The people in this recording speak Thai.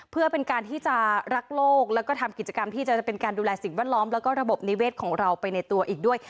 เพื่อเป็นการที่จะรักโลกแล้วก็ทำกิจกรรมที่จะเป็นการดูแลสิ่งแวดล้อมแล้วก็ระบบนิเวศของเราไปในตัวอีกด้วย